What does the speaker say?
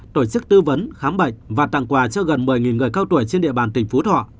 tổ chức tư vấn khám bệnh và tặng quà cho gần một mươi người cao tuổi trên địa bàn tỉnh phú thọ